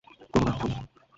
কোরো না, থামো।